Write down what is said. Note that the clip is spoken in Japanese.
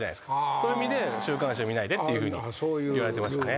そういう意味で週刊誌を見ないでっていうふうに言われてましたね。